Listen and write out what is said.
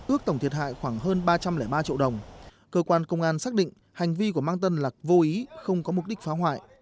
ước tổng thiệt hại khoảng hơn ba trăm linh ba triệu đồng cơ quan công an xác định hành vi của mang tân là vô ý không có mục đích phá hoại